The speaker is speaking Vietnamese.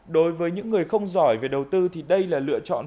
đối với những người không giỏi về đầu tư thì đây là lựa chọn